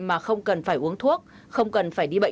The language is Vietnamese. mà không cần phải uống thuốc không cần phải đi bệnh